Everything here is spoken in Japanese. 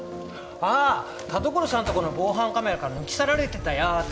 ああ田所さんとこの防犯カメラから抜き去られてたやつ？